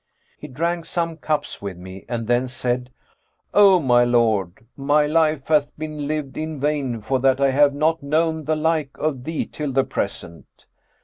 He drank some cups with me and then said, 'O my lord, my life hath been lived in vain for that I have not known the like of thee till the present.